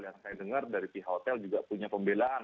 dan saya dengar dari pihak hotel juga punya pembelaan